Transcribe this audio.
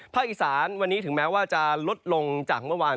อีสานวันนี้ถึงแม้ว่าจะลดลงจากเมื่อวาน